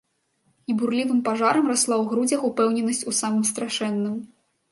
І бурлівым пажарам расла ў грудзях упэўненасць у самым страшэнным.